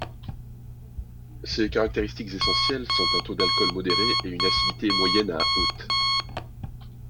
Ses caractéristiques essentielles sont un taux d'alcool modéré et une acidité moyenne à haute.